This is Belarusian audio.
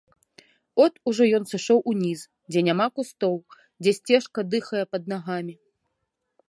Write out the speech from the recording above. От ужо ён сышоў уніз, дзе няма кустоў, дзе сцежка дыхае пад нагамі.